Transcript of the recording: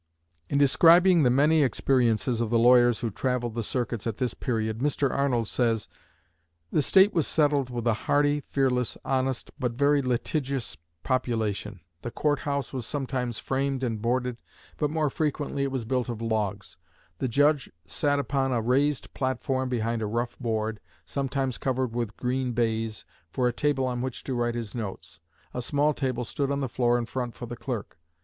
In describing the many experiences of the lawyers who travelled the circuits at this period, Mr. Arnold says: "The State was settled with a hardy, fearless, honest, but very litigious population. The court house was sometimes framed and boarded, but more frequently it was built of logs. The judge sat upon a raised platform behind a rough board, sometimes covered with green baize, for a table on which to write his notes. A small table stood on the floor in front for the clerk.